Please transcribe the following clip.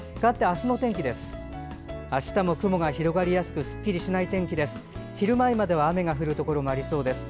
明日も雲が広がりやすくすっきりしない天気です。